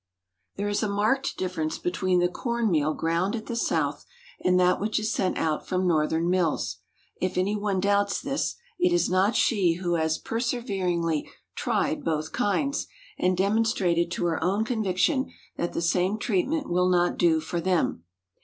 There is a marked difference between the corn meal ground at the South, and that which is sent out from Northern mills. If any one doubts this, it is not she who has perseveringly tried both kinds, and demonstrated to her own conviction that the same treatment will not do for them.